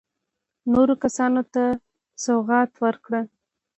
نورو کسانو ته سوغات ورکړ.